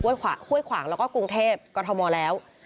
เว้ยขวางแล้วก็กรุงเทพฯกมแล้ว